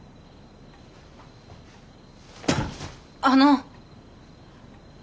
あの。